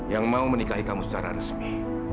yang mau menikahi kamu secara resmi